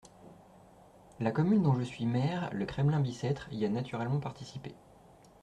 La commune dont je suis maire, le Kremlin-Bicêtre, y a naturellement participé.